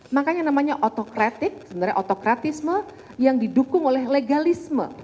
makanya namanya otokratik sebenarnya otokratisme yang didukung oleh legalisme